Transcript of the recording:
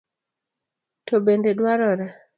To bende dwarore